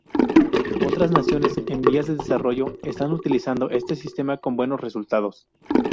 Otras naciones en vías de desarrollo están utilizando este sistema con buenos resultados.